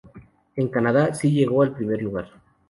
En Canadá sí llegó al primer lugar.